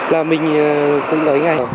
là mình cũng ấy ngay